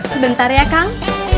sebentar ya kang